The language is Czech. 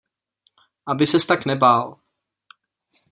Aby ses tak nebál.